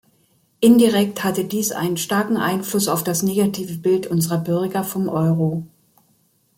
Indirekt hatte dies einen starken Einfluss auf das negative Bild unserer Bürger vom Euro.